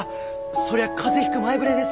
そりゃ風邪ひく前触れですき！